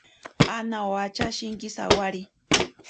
Ana owacha shinki sawari.